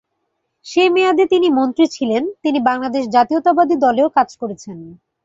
সে মেয়াদে তিনি মন্ত্রী ছিলেন। তিনি বাংলাদেশ জাতীয়তাবাদী দলেও কাজ করেছেন।